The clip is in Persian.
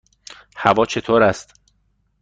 هوا چطور است؟